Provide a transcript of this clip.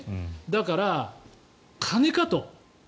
だから、金かと。